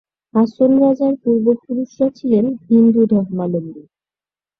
হাছন রাজার পূর্ব পুরুষরা ছিলেন হিন্দু ধর্মালম্বী।